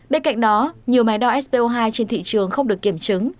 bên cạnh đó nhiều máy đo sb hai trên thị trường không được kiểm chứng